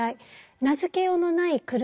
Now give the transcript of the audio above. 名付けようのない苦しさ